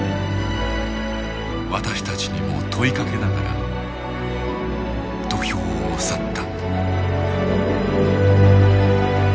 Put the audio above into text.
私たちにも問いかけながら土俵を去った。